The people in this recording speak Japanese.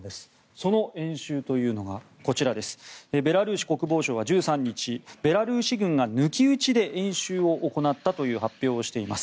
その演習というのがベラルーシ国防省は１３日ベラルーシ軍が抜き打ちで演習を行ったという発表をしています。